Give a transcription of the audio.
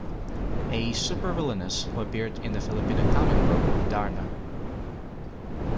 A Supervillainess who appeared in the Filipino comic book Darna.